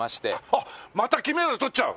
あっまた金メダルとっちゃう？